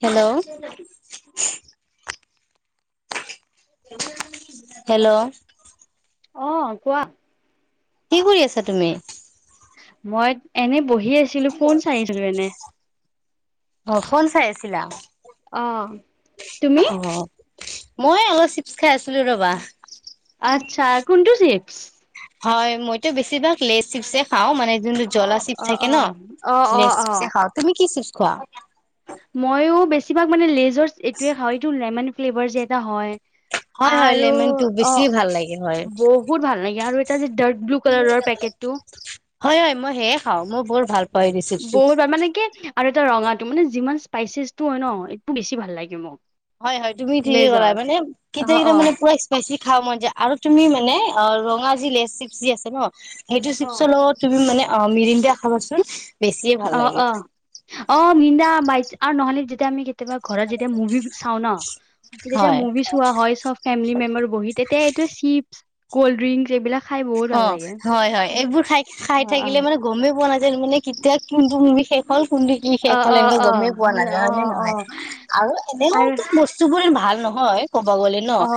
Hello hello অ', কোৱা। কি কৰি আছা তুমি? মই এনে বহি আছিলো ফোন চাইছিলো এনে। অ' ফোন চাই আছিলা? অ', তুমি? অ', মই অলপ চিপচ খাই আছিলো ৰবা। আচ্ছা কোনটো চিপছ? হয়, মইতো বেছিভাগ লেই চিপছে খাও মানে যোন জ্বলা চিপ অ', থাকে ন, অ', অ', লে অ', অ', চিপচে খাওঁ, তুমি কি চিপ খোৱা? মইও বেছিভাগ মানে লেজৰ এইটোয়ে খাওঁ, এইটো লেমন ফ্লেভাৰ যে এটা হয়। [inaudible] হয়, হয়, আৰু লেমেনটো বেছি অ', ভাল লাগে হয়। বহুত ভাল লাগে আৰু এটা যে ডাৰ্ক ব্লু কালাৰৰ পেকেটটো হয়, হয়, মই সেয়ে খাওঁ মই বৰ ভাল পাওঁ এই চিপছটো। বহুত বাৰ মানে কি আৰু এটা ৰঙাটো মানে যিমান স্পাইচেচটো হয় ন একদম বেছি ভাল লাগে মোক হয়, হয়, তুমি ঠিকে কৰা লেজাৰ মানে কেতিয়া অ', কেতিয়া অ', মানে পুৰা স্পাইচি খাওঁ মন য আৰু তুমি মানে অ, ৰঙা যি লে চিপছ যি আছে ন? সেইটো অ', চিপচৰ লগত তুমি মানে অ, মিৰিণ্ডা খাবা চোন। অ', অ', অ', নিদাই আৰু নহলে যেতিয়া আমি কেতি কেতিয়াবা ঘৰত যেতিয়া মুভি চাও ন, যেতিয়া হয়। মুভি চোৱা হয় চব ফেমিলি মেম্বাৰ বহি তেতিয়া চিপছ কল্ড ড্ৰিংকচ এইবিলাক খাই বহুত ভাল অ', লাগে। হয়, হয়, এইবোৰ খাই খাই অ অ থাকিলে মানে গমেই পোৱা নাযায় মানে কেতিয়া কিন্তু মুভি শেষ হ'ল। [unintelligible] কি শেষ অ হ'ল অ এনেকে অ গমেই পোৱা নাযায় হয় অ নে অ নহয় আৰু আৰু এনেইতো বস্তু বোৰ ভাল নহয় ক'ব গ'লে ন অ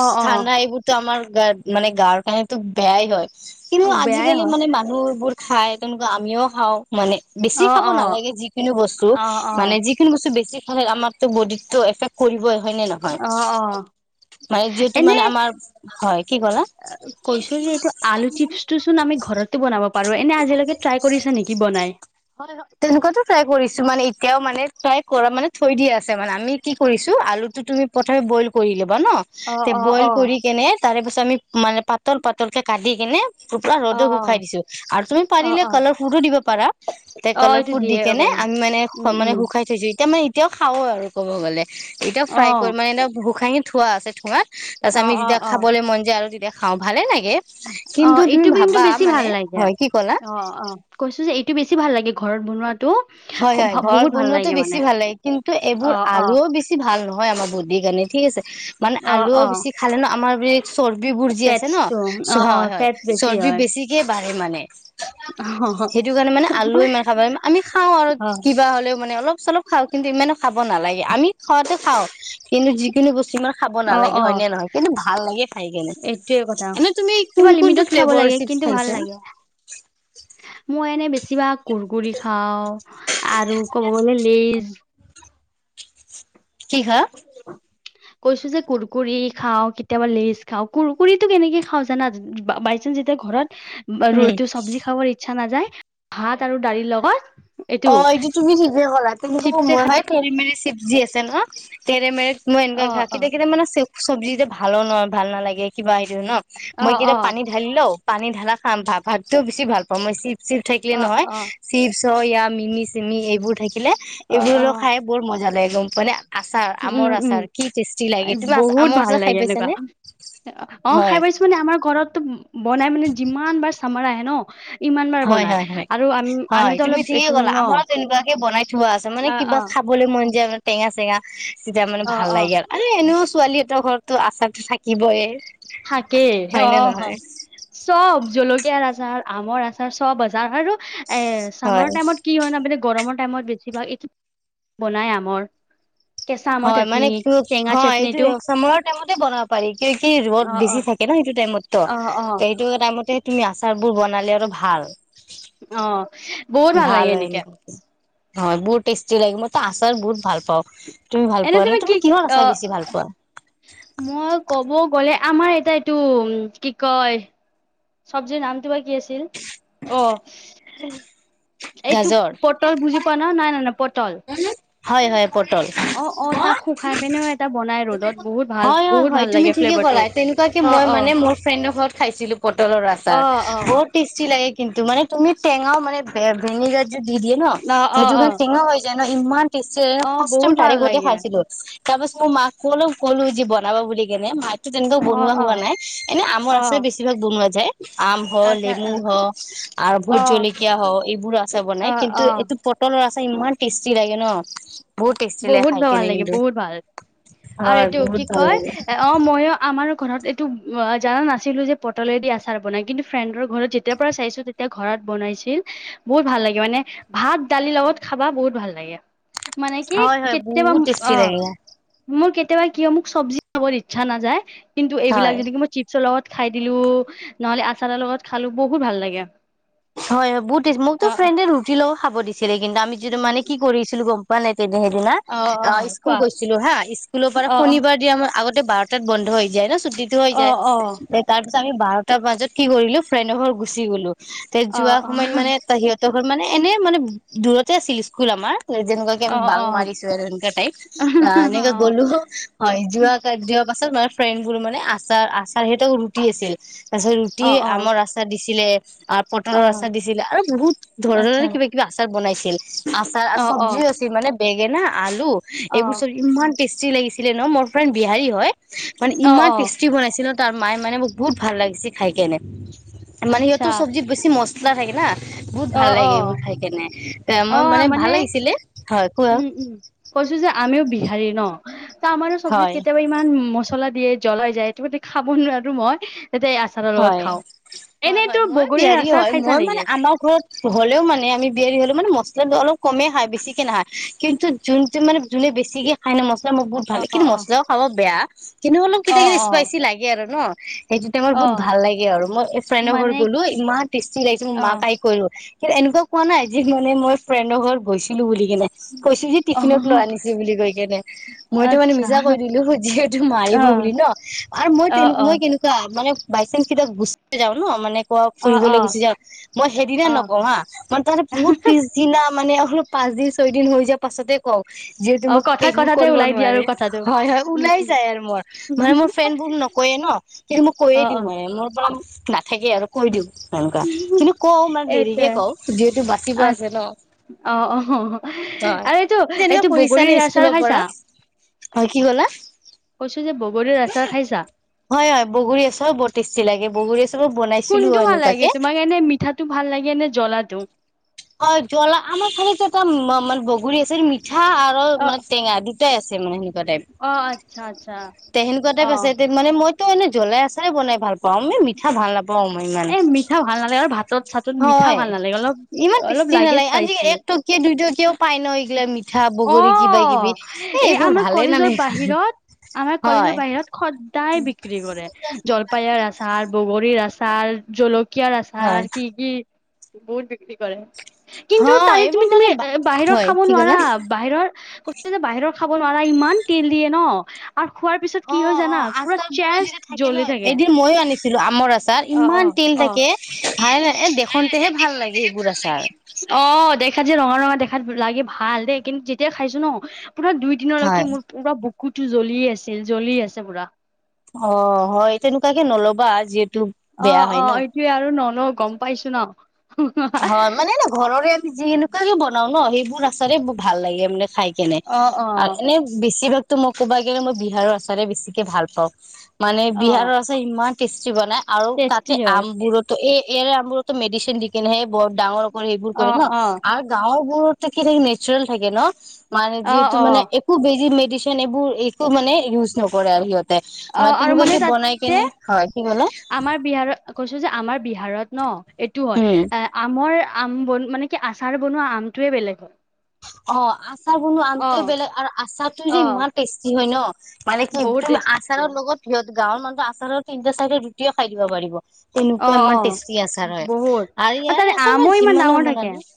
অ অ ঠাণ্ডা এইবোৰতো আমাৰ গাৰ মানে গাৰ কাৰণে ত বেয়াই হয় কিন্তু বেয়াই আজিকালি হয় মানে মানুহবোৰ খাই তেনেকুৱা আমিও খাওঁ। মানে বেছি অ খাব অ নালাগে যিখিনি বস্তু অ মানে অ যিখিনি বস্তু বেছি মানে আমাৰতো বডিতো এফেক্ট কৰিবই। হয় নে নহয় অ অ মানে যিহেতু এনে মানে আমাৰ হয় কি ক'লা? কৈছো যে এইটো আলু চিপছ টো চোন আমি ঘৰত বনাব পাৰো এনে আজিলৈকে ট্ৰাই কৰিছা নেকি বনাই? হয়, হয়, তেনেকুৱাটো ট্ৰাই কৰিছো মানে এতিয়াও মানে ট্ৰাই কৰা মানে থৈ দিয়া আছে মানে আমি কি কৰিছো আলুটো তুমি প্ৰথমে বইল কৰি ল ন অ তে অ বইল অ কৰি কেনে তাৰে পিছত আমি মানে পাতল পাতলকে কাটি কেনে [unintelligible] অ ৰ'দত অ শুকাই দিছোঁ আৰু তুমি অ পাৰিলে অ কালাৰ ফুডু দিব পাৰা। টে অ কালৰ এইটো ফুট দি দিয়ে কেনে বাৰু আমি মানে উম মানে উম শুকাই থৈছো। এতিয়া মানে এতিয়াও খাওঁ আৰু ক'ব গ'লে এতিয়াও অ ফ্ৰাই কৰি মানে এতিয়া ভোু খাঙি থোৱা আছে ঠোঁৱাত অ তাৰপাছত আমি অ যেতিয়া অ খাবলৈ মন যায় আৰু তেতিয়া খাওঁ ভালে লাগে। কিন্তু অ', তুমি এইটো কিন্তু ভাবা বেছি মানে ভাল লাগে হয় কি ক'লা অ', অ', কৈছো যে এইটো বেছি বেছি ভাল লাগে ঘৰত বনোৱাত হয়, হয়, ঘৰত বনোৱাটো বেছি ভাল লাগে কিন্তু এইবোৰ অ অ আলুও বেছি ভাল নহয়। হয় আমাৰ বুদ্ধি কাৰণে ঠিক আছে মানে অ আলুও অ বেছি খালে ন আমাৰ চৰ্বিবোৰ যি আছে ন' ফেটছটো অ অ হয়, হয়, ফেটছ বেছি চৰ্বি হয় বেছিকে বাঢ়ে মানে। সেইটো কাৰণে মানে আলু ইমান খাব ল আমি খাওঁ আৰু অ কিবা হলেও মানে অলপ চলপ খাওঁ কিন্তু ইমানে খাব নালাগে আমি খোৱাতে খাওঁ। কিন্তু যিকোনো বস্তু ইমান খাব অ নালাগে অ হয় নে নহয়? কিন্তু ভাল লাগে খাই কেনে এইটোয়ে কথা এনে তুমি কোন কিবা কোনটো লিমিটত খাব ফ্লেভাৰ লাগে চিপছ কিন্তু ভাল খাইছা? লাগে মই এনে বেছিভাগ কুৰকুৰি খাও আৰু ক'ব গ'লে লেজ কি হা? কৈছো যে কুৰকুৰি খাওঁ কেতিয়াবা লেজ খাওঁ কুৰকুৰিটো কেনেকে খাওঁ জানা? যেতিয়া ঘৰত ৰু উম চব্জি খাবৰ ইচ্ছা নাযায়, হয় ভাত হয় আৰু দাৰি লগত অ', এইটো তুমি ঠিকে ক'লা তেনেকা চিপছে সময় খাই হয় তেৰ মেৰে চিবজি আছে ন তেৰেমেৰেক মই এনেকুৱা অ ঘা অ কেট কেইটা মানে চ চব্জি যেতিয়া ভালো নহয় ভাল নালাগে কিবা সটো ন অ মই অ কেতিয়া পানী ঢালি লও পানী ঢালা খাম ভ ভাতটোও বেছি ভাল পাওঁ মই চিপ, চিপ থাকিলে অ নহয় অ চিপছ হয় ইয়া মিমি, চিমি এইবোৰ থাকিলে অ অ এইবোৰ খাই বৰ মজা লাগে গম মানে আচাৰ উম আমৰ উম আচাৰ কি টেষ্টি লাগে তুমি আচাৰ বহুত আমৰ ভাল আচাৰ লাগে খাই এনেকুৱা পাইছানে? অ', হয় খাই পাইছো মানে আমাৰ ঘৰতটো বনাই মানে যিমান বাৰ চামৰা আহে ন ইমান বাৰ হয়, বনাই হয়, হয়, আৰু আমি হয় আমিতো তুমি অলপ ঠিকে এইটো ক'লা ন আমাৰ তেনেকুৱাকে বনাই থোৱা আছে মানে অ কিবা অ খ বোলে মনজে টেঙা চেঙা চতিয়া মানে অ ভাল অ লাগে আৰু আৰু এনেও ছোৱালীহঁতৰ ঘৰতো আচাৰতো থাকিবইে থাকেই অ', চব জলকীয়াৰ আচাৰ আমৰ আচাৰ চব আজাৰ হয় আৰু এ চামাৰৰ হয় টাইমত কি হয় ন মানে গৰমত টাইমত বেছিভাগ এই বনাই আমৰ কেঁচা আমৰ হয়, চাটনি মানে টেঙা এইটো চাটনিটো চামাৰ ৰ টাইমতে বনাব পাৰি কি, কি ত অ অ বেছি থাকে ন সেইটো টাইমতো অ অ সেইটো টাইমতে তুমি আচাৰ বোৰ বনালে আৰু ভাল আহ বহুত ভাল লাগে হয় এনেকে এনেকুৱাকে হয়, বহুত টেষ্টি লাগে মো আচাৰ বহুত ভাল পাওঁ তুমি ভাল এনে পোৱা নে তুমি কি কিহৰ আচাৰ বেছি ভাল আহ পোৱা? মই কব গ'লে আমাৰ এটা এইটো উ কি কয় চব্জিৰ নামটো বা কি আছিল অ', এইটো গাজৰ পটল বুজি পোৱা ন নাই ন নাই পটল হয়, হয় অ', অ', তাক পটল শুখাই পিনেও এটা বনাই ৰ'দত বহুত ভাল, বহুত ভাল লাগে ফ্লেভাৰ টো তেকুৱ কি মই মানে মোৰ ফ্ৰেণ্ডৰ ঘৰত খাইছিলো পটলৰ আচাৰ অ', অ', বহুত টেষ্টি লাগে কিন্তু মে তুমি টেঙাও মানে ভিনেগাৰ যটো দি দিয়ে ন অ', অ', সেইটো কাৰণ অ', টেঙাও যেন ইমান টেষ্টি লাগে অ', ফাষ্ট বহুত টাইমত ভাল তাৰিখতে লাগে। খাইছিলো। তাৰ পাছত মই মাক কল ক'লো যি বনাব বুলি কেনে মাক টো তেনেকও অ', বনোৱা হোৱা অ', নাই এনে আমৰ আছাৰে অ', বেছি ভাগ বনোৱা যায় আম হওক আচ্ছা লেমু অ', হওক আৰু ভোট অ', জলকীয়া হও এইবোৰো আছে বনাই অ', কিন্তু অ', এইটো পটলৰ আছে ইমান টেষ্টি লাগে ন বহুত টেষ্টি লাগে বহুত খাই ভবাল কেনে লাগে কিন্তু বহুত ভাল আৰু হয় এইটো বহুত কি ভাল কয় লাগে অ মইো আমাৰ ঘৰত এইটো জাননা নাছিলোঁ যে পটলেদি আচাৰ বনাই কিন্তু ফ্ৰেণ্ডৰ ঘৰত যেতিয়াৰ পৰা চাইছোঁ তেতিয়া ঘৰত বনাইছিল বহুত ভাল লাগে মানে ভাত দালিৰ লগত খাবা বহুত ভাল লাগে মানে কি হয় হয় কেতিয়াবা বহুত টেষ্টি অ', লাগে মোৰ কেতিয়াবা কিয় মোক চব্জি খাবৰ ইচ্ছা নাযায়, কিন্তু এইবিলাক হয় যদি মই চিপছৰ লগত খাই দিলো নহলে আচাৰাৰ লগত খালো বহুত ভাল লাগে হয়, হয় বহুত দি মোকতো অ ফ্ৰেণ্ডে ৰুটি লগও খাব দিছিলে কিন্তু আমি যিটো মানে কি কৰিছিলো গম পোৱা নাই তেনা সেইদিনা অ', স্কুল গৈছিলো হা স্কুলৰ পৰা অ শনিবাৰ দিয়া ম আগত বাৰটাত বন্ধ হৈ যায় ন ছুটি টো হৈ অ যায় অ অ তাৰছ আমি বাৰটাৰ বাজত কি কৰিলো ফ্ৰেণ্ডৰ ঘৰ গুচি গলো তে অ অ যোৱা সময়ত মানে ত সিহঁত তত মানে এনেই মানে দূৰতে আছিল স্কুল আমাৰ যেনেকুৱা কে অ আমি বাং অ অ মাৰিছো আৰু এনেকা অ', এনেকাে গ'লো হয় যোৱা কাৰ য পাছত মে ফ্ৰেণ্ড বোৰ মানে আচাৰ আচাৰ সেইত ৰুটি আছিল তাৰ পিছত ৰুটি অ আমৰ আচাৰ দিছিলে অ পটৰৰ অ আচাৰ দিছিলে আৰু বহুত ধৰ আচ্ছা ধৰে কিবা- কিবি আচাৰ বনাইছিল আচাৰ অ আৰু অ চব্জিও আছে মানে বেঙেনা আলু অ এইবোৰ চবজি ইমান টেষ্ট ইমান টেষ্টি লাগিছিলে মোৰ ফ্ৰেণ্ড বিহাৰী হয়, অ ইমান অ টেষ্টি বনাইছে। তাৰ মায়ে মানে মোক বহুত ভাল লাগিছে খাই কেনে আচ্ছা মানেহঁতৰ চব্জিত বেছি মছলা থাকে না বহুত অ ভাল অ লাগে এইবোৰ খাই কেনে এ মই মানে ভাল লাগিছিলে হয় কোৱা উম উম কৈছো যে আমিও বিহাৰী ন আমাৰ চব্জিত হয় কেতিয়াবা ইমান মলা দিয়ে জ্বলাই যায় [unintelligible] খাব নোৱাৰো মই যাতে এই আচাৰৰ লগত হয় খাওঁ হয় এনেইতো হয় মই বগৰীৰ বিহাৰিয়ে আচাৰ হয় খাইছা মই মানে নেকি আমাৰ ঘৰত হ'লেও মানে আমি বিয়াৰি হ'লেও মানে মছ মচলাটো অলপ কমে খয় বেছিকে নাহায় কিন্তু যোনটো মানে যোনে বেছিকে খায় ন মছ লা মোক বহুত অ ভাল কিন্তু অ মছলাও খাব বেয়া কিন্তু অলপ অ কেতিয়া কেতিয়া অ স্পাইচি লাগে আৰু ন সেইটো টাইমত অ বহুত ভাল লাগে আৰু মই এই ফ্ৰেণ্ডৰ ঘৰত মানে গ'লো ইমান টেষ্টি লাগিছে মই অ মাক আহি কলো কিন্তু এনেকুৱা কোৱা নাই যি মানে মই ফ্ৰেণ্ডৰ ঘৰত গৈছিলো বুলি কেনে কৈছো যে অ টিফিনত লৈ আনিছো বুলি কৈ কিনে মইতো মানে আচ্ছা মিছা কৈ দিলো যিহেতো মাৰ অ মাৰিব বুলি ন আৰু মই অ অ কেনেকুৱা মানে বাইনেঞ্জ কেতিয়াবা গোচ্ছা হৈ যাওঁ ন মানে অ অ ফুৰিবলৈ গুছি যাওঁ মই সেইদিনা অ নকওঁ হা মই তাহাতক বহুত পিছদিনা মানে হলোঁ পাঁচ দিন ছয় দিন হৈ যোৱা পাছতে কও যিহেতু অ মোক কথা একো কথাতে কৰিব ওলাই দিয়া আৰু নোৱাৰে কথাটো হয় হয় উম ওলাই উম যাই আৰু মোৰ মানে মোৰ ফ্ৰেণ্ডবো নকয়ে ন কিন্তু মই অ কৈয়ে অ দিওঁ মানে মোৰ পৰা নাথাকে আৰু কৈ দিওঁ এনেকুৱা কিন্তু কও মানে এইটোৱে দেৰিকে কওঁ যিহেতু বাচিব আ আছে ন অ অ হয় আৰু এইটো তেনেকুৱা এইটো কৰিছা নে বগৰীৰ আচাৰ স্কুলৰ পৰা খাইছা হয় কি কলা কৈছো যে বগৰীৰ আচাৰ খাইছা হয় হয় বগৰী আচাৰো বৰ বেছি লাগে বগৰিচ কোনটো ভাল লাগে তোমাক এনে মিঠাটো ভাল লাগে এনে জ্বলাটো? অ জ্বলা আমাৰ চালত মা মা বগৰী আছে মিঠা আৰু অ মানে টেঙা দুটাই আছে মানে সেনে অ আচ্ছা আচ্ছা তে সেনেকুৱা অ টাইপ আছে মানে মই ত এনে জ্বলা আচাৰেই বনাই ভাল পাওঁ মই মিঠা ভাল নাপা বম ইমান, এ মিঠা ভাল নালাগে আৰু ভাতত চাতত মিঠা হয় ভাল নালাগে অলপ ইমান অলপ টেষ্টি লাগে নালাগ আজি স্পাইচি এক টকীয়া দুইটকীয়াও পাই ন এইগিলা মিঠা অ বগৰী কিবা কিবি এ এই এইবোৰ আমাৰ ভালে কলেজৰ নালাগে খাই। বাহিৰত আমাৰ কলেজৰ হয় বাহিৰত খদাই বিক্ৰী কৰে জল পায়াৰ আচাৰ বগৰীৰ আচাৰ জলকীয়াৰ আচাৰ হয় কি কি বহুত বিক্ৰী কৰে। কিন্তু হয় তাৰে তুমি এইবোৰ তুমি মানে বাহিৰৰ হয় খাব কি ক'লা নোৱাৰা বাহিৰৰ কৈ যে বাহিৰৰ খাব নোৱাৰা ইমান তেল দিয়ে ন। আৰু খোৱাৰ পিছত অ কি হয় অ জানা পুৰা আচাৰ বোৰো যেতিয়া চেষ্ট ন জ্বলি থাকে। এদিন মইয়ো আনিছিলো আমৰ আচাৰ অ অ ইমান তেল অ থাকে ভাল এ দেখনতেহে ভাল লাগে এইবোৰ আচাৰ [unintelligible] অ দেখাত যে ৰঙা ৰঙা দেখাত লাগে ভাল দেই কিন্তু যেতিয়াই খাইছো ন পুৰা দুই হয় দিনলৈকে মোৰ পুৰা বুক কুতো জ্বলিতেওঁ আছিল জ্বলি আছে পুৰা। অ হয় তেনেকুৱাকে নলবা যিহেতু অ বেয়া অ হয় ন এইটোৱে আৰু নলওঁ গম পাইছো ন। হয় মানে ন ঘৰৰে আমি যি এনেকুৱাকে বনাও ন সেইবোৰ আচাৰে ভাল লাগে মানে খাই। কেনে অ অ আৰু এনে বেছিভাগতো মই ক'বা গেলে মই বিহাৰৰ ওচৰে বেছিকে ভাল পাওঁ। মানে অ বিহাৰৰ আচাৰ ইমান টেষ্টি বনাই আৰু টেষ্টি তাতে হয় আমবোৰতো এই ইয়াৰে আমোৰতো মেডিচিন দি কেনে সে বৰ ডাঙৰ কৰে সেইবোৰ অ কৰে ন অ আৰু গাঁৱৰ মোৰ তাকেটো নেচাৰেল থাকে ন মানে অ যিহেতু অ মানে একো বেজি এইবোৰ একো মানে ইউজ নকৰে আৰু সিহঁতে অ ম আৰু তেনেকুৱা মানে কি বনাই তাতে কেনে হয় কি কলে আমাৰ বিহাৰত কৈছো যে আমাৰ বিহাৰত ন এইটো হয় উম। এ আমাৰ আম বন মান কি আচাৰ বনোৱা আমটোৱে বেলেগ হয় অ আ আচাৰ বনোৱা আমটোয়ে অ', বেলেগ আৰু আচাৰটো যে অ', ইমান টেষ্টি হয় ন মানে কি বহুত একদম টেষ্টি হয়। আচাৰৰ লগত সিহত গাঁৱৰ মানুহে আছাৰে তিনিটা চাৰিটা ৰুটিও খাই দিব পাৰিব। তেনেকুৱা অ', ইমান অ', টেষ্টি আছাৰ হয় বহুত আৰু তাৰে ইয়াৰ আছাৰ আমো মই ইমান যিমানো ডাঙৰ থাকে বনালোঁ।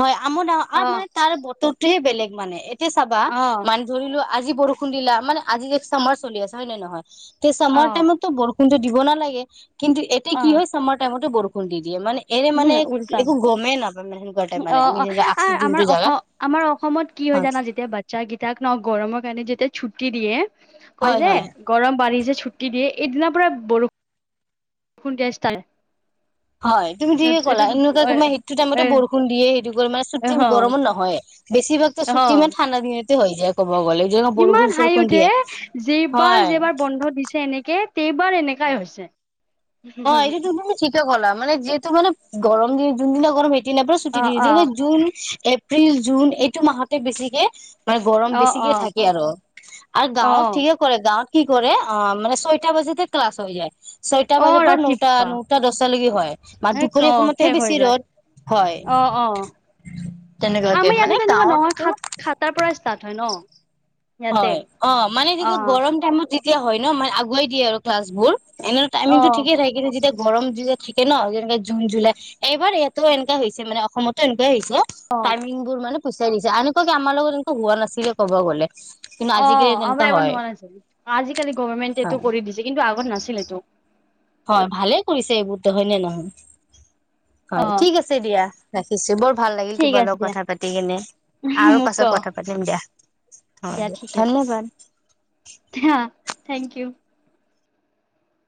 হয়, আমো ডাঙৰ আৰু মানে অ', তাৰ বতৰটোহে বেলেগ মানে এতিয়া চাবা অ', মানে ধৰি লোৱা আজি বৰষুণ দিলা মানে আজি যে চামাৰ চলি আছে হয় নে নহয় তেই চামাৰ অ', টাইমতো বৰষুণ টো দিব নালাগে। কিন্তু, এতিয়া কি অ', হয়, চামাৰ টাইমতো বৰষুণ দি দিয়ে মানে এনে মানে উম, উল্টা একো গমেই নাপায় মানে সেনেকুৱা টাইপ অ', মানে আমি অ', যেনে আহ আমাৰ অসম আমাৰ অসমত কি হয় জানা যেতিয়া বাচ্ছাকেইটাক ন গৰমৰ কাৰণে যেতিয়া ছুটি দিয়ে। কৈ হয় যে হয় গৰম বাৰী যে ছু্টি দিয়ে এইদিনাৰ পৰা বৰষুণ খুন্দষ্ট তাৰে হয় তুমি যিকে ক'লা এনেকুৱাক সেইটো টাইমতে এ বৰষুণ দিয়ে স মানে চুটি অ গৰমত নহয়ে বেছিভাগটো ছুটি অ', ঠাণ্ডা দিনতে হৈ যায় গ'লে যেনে বৰষুণ ইমান হাঁহি চৰষুণ উঠে দিয়ে যেবাৰ হয় যেবাৰ বন্ধ দিছে এনেকে এইবাৰ এনেকাই হৈছে অ এইটো দুদিন ঠিকে কলা মান যিহেতু মান গৰম দ দুদিিন গৰম দিনাৰ পৰা ছুটি অ', দি দিয়ে অ', জুন এপ্ৰিল জুন এইটো মাহতে বেছিকে মানে গৰম অ', বেছিকে অ', থাকে আৰু আৰু গাঁৱত অ', ঠিকে কৰে গাঁৱত কি কৰে অ মানে ছয়টা বাজেতে ক্লাছ হৈ যায় ছয়টা বাজে অ', নটা ৰাতিপুৱা নটা দহটালৈকে হয় মাত এ দুপৰীয়া অ', সময়তেহে শেষ হৈ বেছি যায় ৰদ হয় অ অ তেনেকুৱাকে আমাৰ মানে ইয়াতো তেনেকুৱা নহয় গাঁৱতটো সাত সাতাৰ পৰা ষ্টাৰ্ট হয় ন ইয়াতে হয় অ মানে তেতিয়া অ', গৰম টাইমত যেতিয়া হয় ন মানে আগুৱাই দিয়ে আৰু ক্লাছবোৰ এনে টাইমিংটো অ', ঠিকেই থাক কি যেতিয়া গৰম যে যে থাকে ন যেনেকে জুন জুলাই এইবাৰ ইহাতো এনেককা হৈছে মানে অসমতো এ অ', টাইমিং বোৰ মানে পিচুৱাই দিছে আনেুৱা কি আমাৰ লগত হোৱা নাছিলে ক'ব গ'লে কিন্তু অ আজিকালি তেনেকুৱা আমাৰ এবাৰ হয় নোৱাৰ নাছিলো আজিকালি গভমেণ্টে এইটো হয় কৰি দিছে কিন্তু আগত নাছিল এইটো হয় ভালে কৰিছে এইবোৰ দে হয়নে নহয় হয় অ', ঠিক আছে দিয়া ৰাখিছো বৰ ভাল লাগিল ঠিক তোমাৰ লগ আছে দিয়া কথা পাতি কেনে আৰু মোক ক পাছত কথা পাতিম দিয়া হ দিয়া ঠিক আছে ধন্যবাদ থেংক ইউ